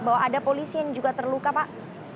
bahwa ada polisi yang juga terluka pak